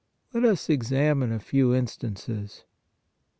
Let us examine a few instances.